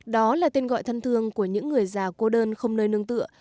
đó là tên gọi thân thương của những người già cô đơn không nơi nương tựa